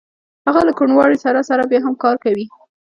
هغه له کوڼوالي سره سره بیا هم کار کوي